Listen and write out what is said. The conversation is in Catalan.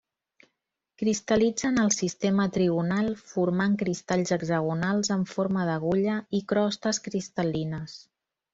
Cristal·litza en el sistema trigonal formant cristalls hexagonals en forma d'agulla i crostes cristal·lines.